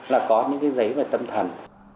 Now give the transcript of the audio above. là có những cái giấy về tâm thần